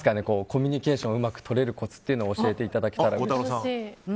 コミュニケーションをうまく取れるコツを教えていただけたら。